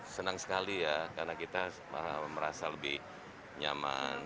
senang sekali ya karena kita merasa lebih nyaman